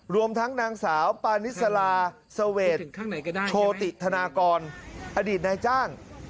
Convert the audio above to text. รวมทั้งนางสาวปานิสลาเสวดโชติธนากรอดีตนายจ้าง